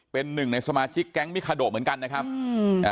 เป็นหนึ่งในสมาชิกแก๊งมิคาโดเหมือนกันนะครับอืมอ่า